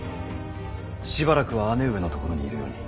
しばらくは姉上のところにいるように。